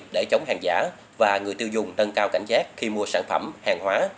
để chống hàng giả và người tiêu dùng nâng cao cảnh giác khi mua sản phẩm hàng hóa